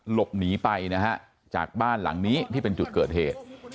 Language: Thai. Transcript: หลบหนีไปนะฮะจากบ้านหลังนี้ที่เป็นจุดเกิดเหตุ